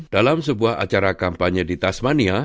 dalam sebuah acara kampanye di tasmania